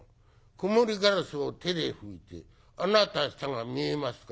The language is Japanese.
『くもりガラスを手で拭いてあなた明日が見えますか』